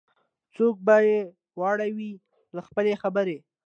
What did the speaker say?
څوک به یې واړوي له خپل خبري